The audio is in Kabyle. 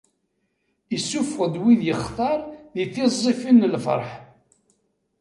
Issufeɣ-d wid yextar di tiẓẓifin n lferḥ.